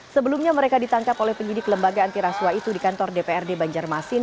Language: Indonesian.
sebelumnya mereka ditangkap oleh penyidik lembaga antiraswa itu di kantor dprd banjarmasin